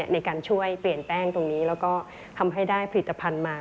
ในการช่วยเปลี่ยนแป้งตรงนี้แล้วก็ทำให้ได้ผลิตภัณฑ์มา